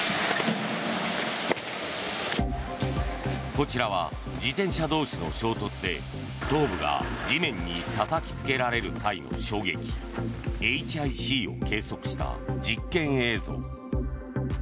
こちらは、自転車同士の衝突で頭部が地面にたたきつけられる際の衝撃ＨＩＣを計測した実験映像。